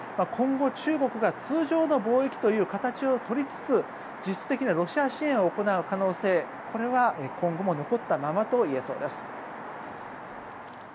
今後、中国が通常の貿易という形を取りつつ実質的にはロシア支援を行う可能性これは今後も残ったままといえそうです。